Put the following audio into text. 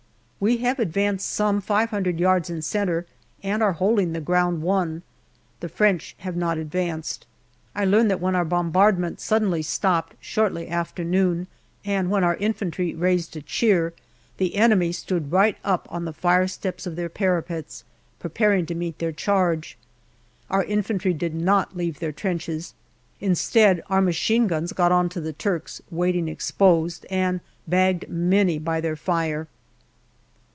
We have advanced some five hundred yards in centre, and are holding the ground won. The French have not advanced. I learn that when our bombardment suddenly stopped, shortly after noon, and when our infantry raised a cheer, the enemy stood right up on the fire steps of their parapets, preparing to meet their charge. Our infantry did not leave their trenches. Instead, our machine guns got on to the Turks, waiting exposed, and bagged many by their fire.